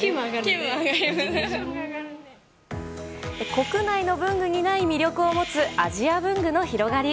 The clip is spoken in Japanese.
国内の文具にない魅力を持つアジア文具の広がり。